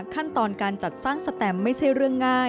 ขั้นตอนการจัดสร้างสแตมไม่ใช่เรื่องง่าย